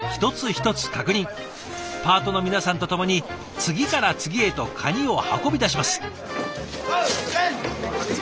パートの皆さんと共に次から次へとカニを運び出します。